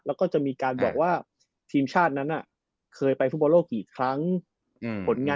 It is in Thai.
แล้วก็จะมีการบอกว่าทีมชาตินั้นน่ะ